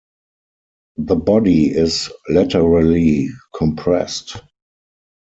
The body is laterally compressed.